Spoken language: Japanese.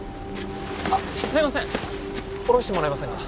あっすいませんおろしてもらえませんか？